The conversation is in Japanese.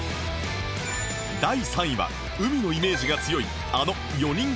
第３位は海のイメージが強いあの４人組